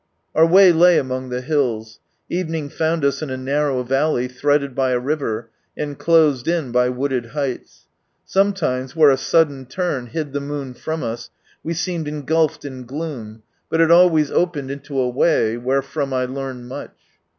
Our way lay among the hills ; evening found us in a narrow valley threaded by a river, and closed in by wooded heights. Sometiities where a sodden turn hid the moon from us, we seemed engulfed in gloom, but it always opened into a way, wherefrom I learned much.